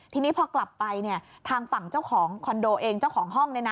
ทีนี้พอกลับไปทางฝั่งเจ้าของคอนโดเองเจ้าของห้อง